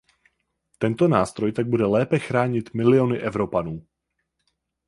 Tento nástroj tak bude lépe chránit miliony Evropanů.